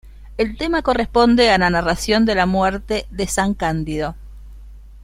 El tema corresponde a la narración de la muerte de san Cándido.